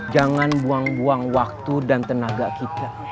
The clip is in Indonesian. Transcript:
jangan buang buang waktu dan tenaga kita